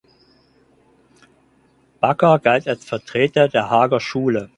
Bakker galt als Vertreter der Haager Schule.